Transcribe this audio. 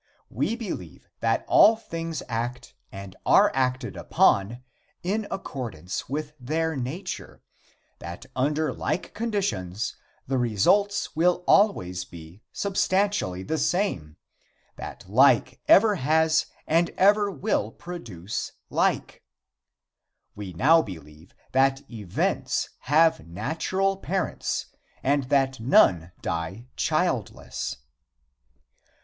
We believe that all things act and are acted upon in accordance with their nature; that under like conditions the results will always be substantially the same; that like ever has and ever will produce like. We now believe that events have natural parents and that none die childless.